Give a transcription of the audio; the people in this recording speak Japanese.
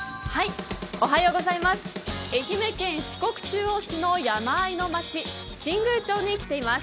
愛媛県四国中央市の山あいの町、新宮町に来ています。